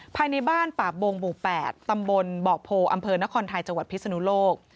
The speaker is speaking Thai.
ภายในบ้านป่าบงหมู่๘ตำบลบอกโพอำเภอนครไทยจังหวัดพิศนุโลก